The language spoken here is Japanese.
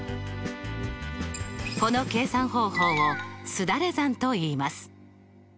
この計算方法をすだれ算といいます。